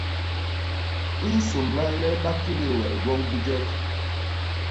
I nsômbla le ba kébél we i gwoñ bijek.